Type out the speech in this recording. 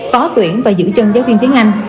khó tuyển và giữ chân giáo viên tiếng anh